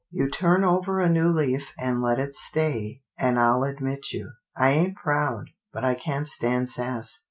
You turn over a new leaf and let it stay, and I'll admit you. I ain't proud, but I can't stand sass.